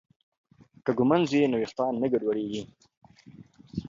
که ږمنځ وي نو ویښتان نه ګډوډیږي.